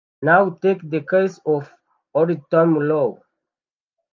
now take the case of old tome low;